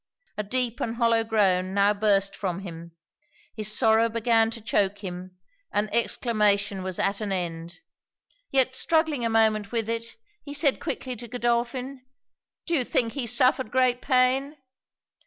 A deep and hollow groan now burst from him: his sorrow began to choak him; and exclamation was at an end; yet struggling a moment with it, he said quickly to Godolphin 'Do you think he suffered great pain?'